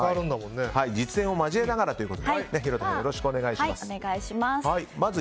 実演を交えながらということで廣田さん、よろしくお願いします。